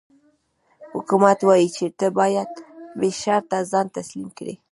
حکومت وايي چې ته باید بې شرطه ځان تسلیم کړې.